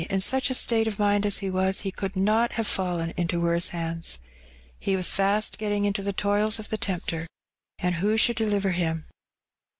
in such a state of mind as he was, he 3ould not have fallen into worse hands. He was fast get ting into the toils of the tempter; and who should deliver lim?